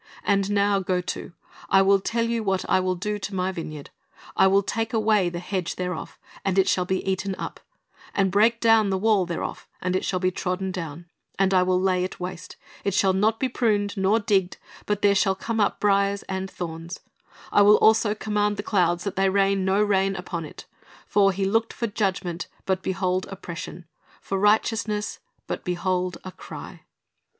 And now go to; I will tell you what I will do to My vineyard: I will take away the hedge thereof, and it shall be eaten up; and break down the wall thereof, and it shall be trodden down: and I will lay it waste; it shall not be pruned nor digged; but there shall come up briers and thorns: I will also command the clouds that they rain no rain upon it. For ... He looked for judgment, but behold oppression; for righteousness, but behold a cry."